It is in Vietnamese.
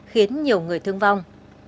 khiến nhiều người thương vong